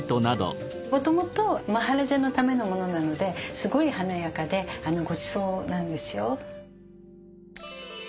もともとマハラジャのためのものなのですごい華やかでごちそうなんですよ。